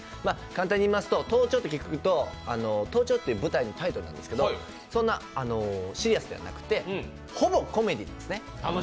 簡単にいいますと、「盗聴」という舞台のタイトルなんですけどシリアスではなくてほぼコメディーですね。